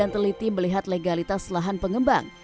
konsumen harus jeli dan teliti melihat legalitas lahan pengembang